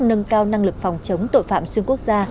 nâng cao năng lực phòng chống tội phạm xuyên quốc gia